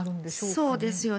そうですよね。